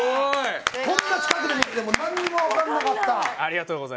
こんな近くで見ても何も分からなかった。